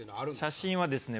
写真はですね